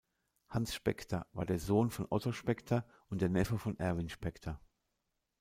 Hans Speckter war der Sohn von Otto Speckter und der Neffe von Erwin Speckter.